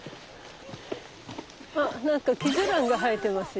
あなんかキジョランが生えてますよ。